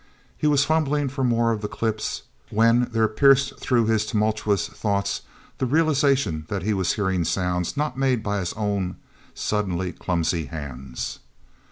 He was fumbling for more of the clips when there pierced through his tumultuous thoughts the realization that he was hearing sounds not made by his own suddenly clumsy hands.